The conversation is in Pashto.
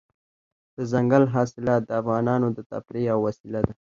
دځنګل حاصلات د افغانانو د تفریح یوه وسیله ده.